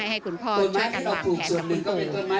ให้คุณพ่อช่วยกันวางแผนกับคุณปู่